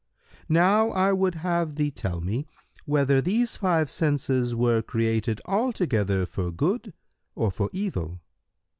Now I would have thee tell me whether these five senses were created altogether for good or for evil."